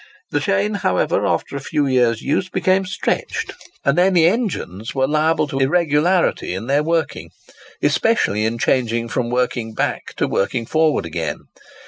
The chain, however, after a few years' use, became stretched; and then the engines were liable to irregularity in their working, especially in changing from working back to working forward again.